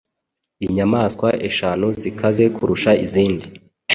inyamaswa eshanu zikaze kurusha izindi